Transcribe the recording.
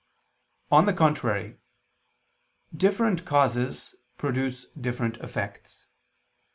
On the contrary, Different causes produce different effects.